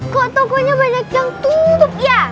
kok toko nya banyak yang tutup ya